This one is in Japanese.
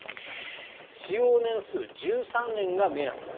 使用年数１３年が目安です。